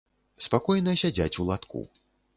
Спакойна сядзяць у латку.